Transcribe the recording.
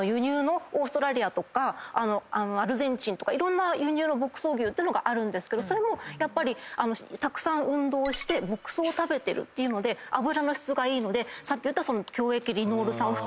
オーストラリアとかアルゼンチンとかいろんな輸入の牧草牛ってのがあるんですけどそれもやっぱりたくさん運動をして牧草を食べてるっていうので脂の質がいいのでさっき言った共役リノール酸を含んでダイエット効果があったり。